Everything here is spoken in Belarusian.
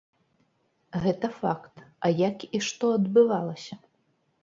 Гэта факт, а як і што адбывалася?